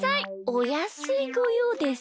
おやすいごようです。